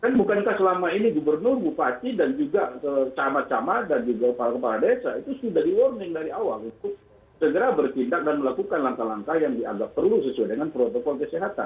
kan bukankah selama ini gubernur bupati dan juga camat camat dan juga kepala kepala desa itu sudah di warning dari awal untuk segera bertindak dan melakukan langkah langkah yang dianggap perlu sesuai dengan protokol kesehatan